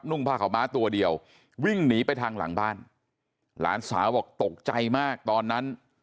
่งผ้าขาวม้าตัวเดียววิ่งหนีไปทางหลังบ้านหลานสาวบอกตกใจมากตอนนั้น